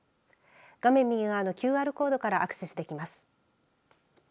画面右側のＱＲコードからアクセスできます。